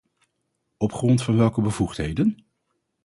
Op grond van welke bevoegdheden?